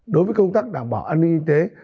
đối với công tác đảm bảo an ninh y tế